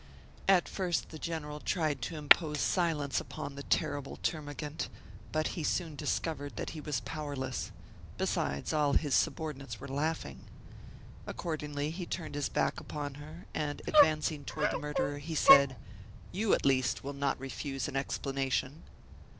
At first the General tried to impose silence upon the terrible termagant: but he soon discovered that he was powerless; besides, all his subordinates were laughing. Accordingly he turned his back upon her, and, advancing toward the murderer, he said: "You, at least, will not refuse an explanation."